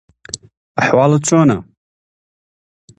ئەحواڵتان چۆنە؟